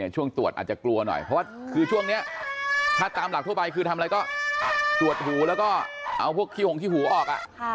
ช่วงตรวจอาจจะกลัวหน่อยเพราะว่าคือช่วงนี้ถ้าตามหลักทั่วไปคือทำอะไรก็ตรวจหูแล้วก็เอาพวกขี้หงขี้หูออก